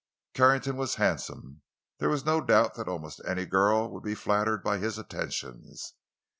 Carrington was handsome; there was no doubt that almost any girl would be flattered by his attentions.